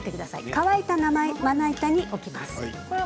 乾いたまな板に置きます。